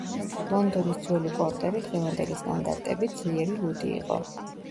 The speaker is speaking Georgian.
ლონდონის ძველი პორტერი დღევანდელი სტანდარტებით ძლიერი ლუდი იყო.